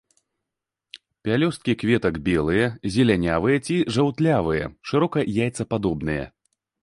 Пялёсткі кветак белыя, зелянявыя ці жаўтлявыя, шырока яйцападобныя.